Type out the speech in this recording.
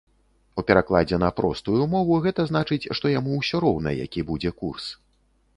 У перакладзе на простую мову гэта значыць, што яму ўсё роўна, які будзе курс.